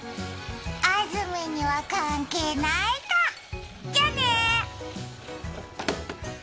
安住には関係ないか、じゃあね。